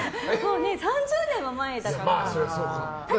３０年も前だから。